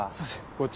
こっち。